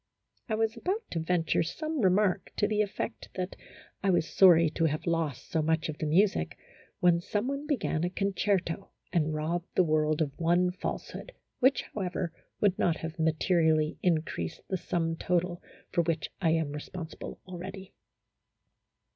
I was about to venture some remark to the effect that I was sorry to have lost so much of the music, when some one began a concerto and robbed the world of one falsehood, which, however, would not A HYPOCRITICAL ROMANCE. 2$ have materially increased the sum total for which I am responsible already.